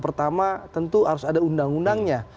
pertama tentu harus ada undang undangnya